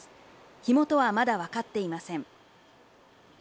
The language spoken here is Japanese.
火元はまだ分かっていません。